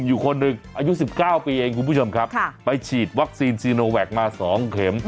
อยู่คนหนึ่งอายุ๑๙ปีเองคุณผู้ชมครับไปฉีดวัคซีนซีโนแวคมา๒เข็ม